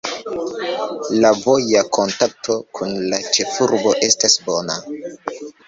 La voja kontakto kun la ĉefurbo estas bona.